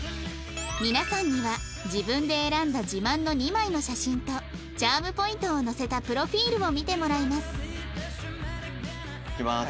皆さんには自分で選んだ自慢の２枚の写真とチャームポイントを載せたプロフィールを見てもらいますいきます。